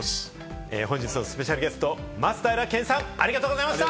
本日のスペシャルゲスト・松平健さん、ありがとうございました。